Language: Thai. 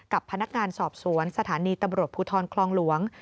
กับพนักงานสอบสวนสถานีตำรวจภูทรคลองหลวง